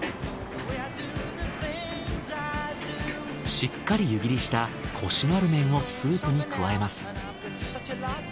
しっかり湯切りしたコシのある麺をスープに加えます。